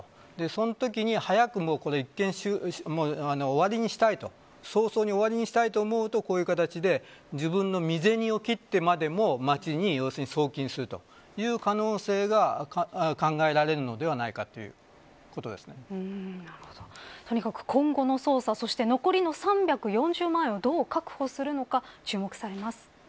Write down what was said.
そのときに早く終わりにしたい早々に終わりにしたいと思うとこういう形で自分の身銭を切ってまでも町に送金するという可能性が考えられるのではないかととにかく、今後の捜査そして残りの３４０万円をどう確保するのか注目されます。